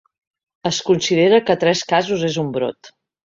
Es considera que tres casos és un brot.